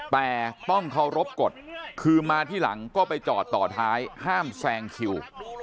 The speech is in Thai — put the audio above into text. แต่ต้องเคารพกฎคือมาที่หลังก็ไปจอดต่อท้ายห้ามแซงคิว